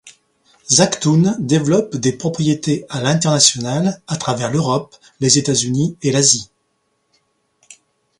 Zagtoon développe des propriétés à l’international à travers l’Europe, les États-Unis et l’Asie.